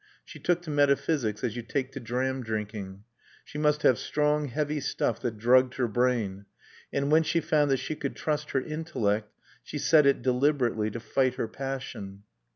She took to metaphysics as you take to dram drinking. She must have strong, heavy stuff that drugged her brain. And when she found that she could trust her intellect she set it deliberately to fight her passion.